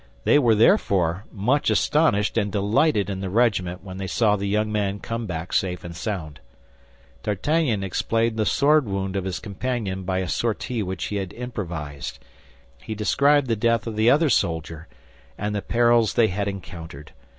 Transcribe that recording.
They were therefore much astonished and delighted in the regiment when they saw the young man come back safe and sound. D'Artagnan explained the sword wound of his companion by a sortie which he improvised. He described the death of the other soldier, and the perils they had encountered.